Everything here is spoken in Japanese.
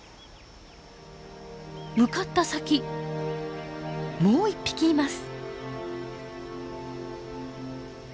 向かった先もう１匹います。